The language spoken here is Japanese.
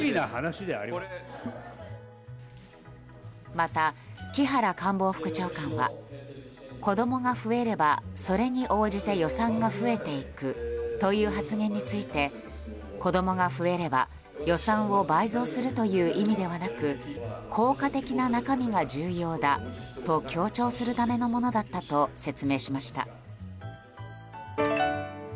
また、木原官房副長官は子供が増えればそれに応じて予算が増えていくという発言について子供が増えれば予算を倍増するという意味ではなく効果的な中身が重要だと強調するためのものだったと説明しました。